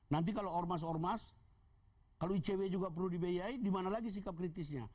nanti kalau ormas ormas kalau icb juga perlu dibiayai di mana lagi sikap kritisnya